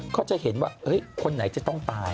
เขาจะเห็นว่าคนไหนจะต้องตาย